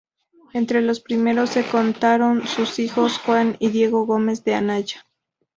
Entre los primeros se contaron sus hijos Juan y Diego Gómez de Anaya.